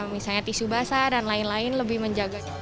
misalnya tisu basah dan lain lain lebih menjaga